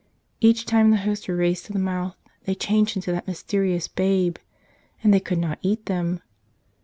Each time the Hosts were raised to the mouth they changed into that mysterious Babe. And they could not eat them.